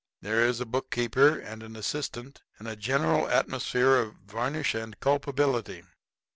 ] There is a bookkeeper and an assistant, and a general atmosphere of varnish and culpability.